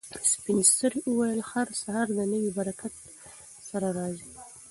سپین سرې وویل چې هر سهار د نوي برکت سره راځي.